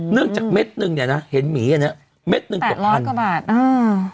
เนื่องจากเม็ดหนึ่งเนี้ยนะเห็นหมีอันเนี้ยเม็ดหนึ่งเกือบพันแบบร้อยกว่าบาทอ้าว